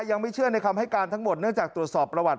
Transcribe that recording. ยังไม่เชื่อในคำให้การทั้งหมดเนื่องจากตรวจสอบประวัติ